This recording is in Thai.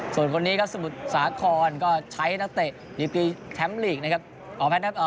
ส่วนคนนี้ครับสมุทรสาครก็ใช้นักเตะดิกรีแชมป์ลีกนะครับ